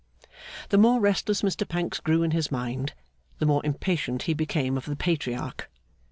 The more restless Mr Pancks grew in his mind, the more impatient he became of the Patriarch.